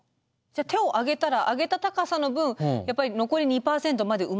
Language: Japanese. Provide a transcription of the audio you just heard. じゃあ手を上げたら上げた高さの分やっぱり残り２％まで埋まっちゃうってこと。